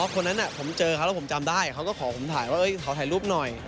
อ๋อคนนั้นน่ะผมเจอค่ะแล้วผมจำได้เขาก็ขอผมถ่ายว่าเฮ้ยเขาถ่ายรูปหน่อย